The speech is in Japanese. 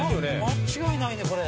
間違いないねこれ。